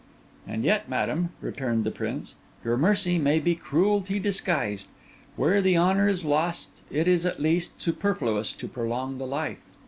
'And yet, madam,' returned the prince, 'your mercy may be cruelty disguised. Where the honour is lost, it is, at least, superfluous to prolong the life.